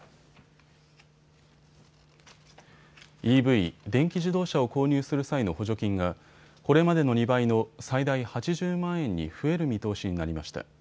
ＥＶ・電気自動車を購入する際の補助金がこれまでの２倍の最大８０万円に増える見通しになりました。